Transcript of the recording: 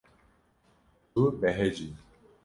Tu behecî.